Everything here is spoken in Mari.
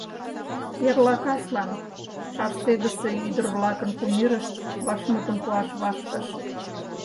— Эрла каслан, — Шарсегысе ӱдыр-влакын кумирышт вашмутым пуаш вашкыш.